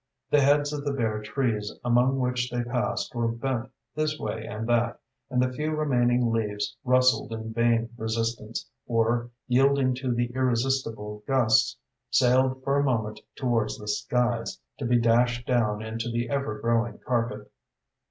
The beads of the bare trees among which they passed were bent this way and that, and the few remaining leaves rustled in vain resistance, or, yielding to the irresistible gusts, sailed for a moment towards the skies, to be dashed down into the ever growing carpet.